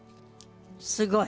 すごい。